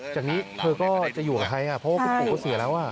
จากนี้เธอก็จะอยู่กับใครเพราะว่าคุณปู่ก็เสียแล้ว